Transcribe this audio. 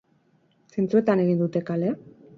Zeintzuetan egin dute kale?